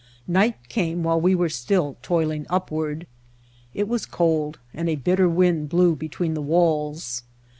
Night came while we were still toiling upward. It was cold, and a bit ter wind blew between the walls.